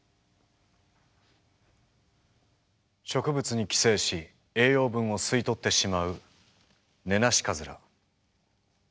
植物に寄生し栄養分を吸い取ってしまうネナシカズラ。